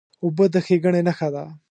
اوبه د ښېګڼې نښه ده.